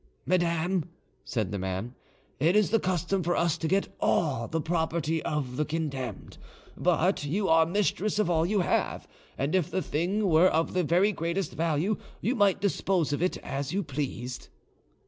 "Madame," said the man, "it is the custom for us to get all the property of the condemned; but you are mistress of all you have, and if the thing were of the very greatest value you might dispose of it as you pleased."